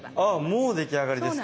もう出来上がりですか。